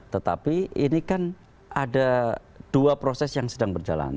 tetapi ini kan ada dua proses yang sedang berjalan